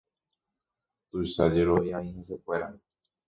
Tuicha jerovia oĩ hesekuéra.